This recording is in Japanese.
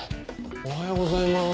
おはようございます。